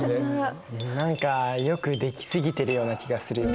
何かよく出来過ぎてるような気がするよね。